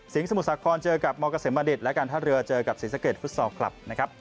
สิงห์สมุทรศาคมเจอกับมกาเสมอดิตและการท่าเรือเจอกับสิงห์สะเกดฟุตซอลคลับ